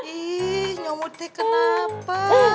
ih nyomute kenapa